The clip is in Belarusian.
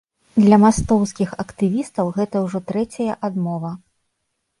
Для мастоўскіх актывістаў гэта ўжо трэцяя адмова.